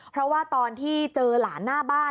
เพราะว่าตอนที่เจอหลานหน้าบ้าน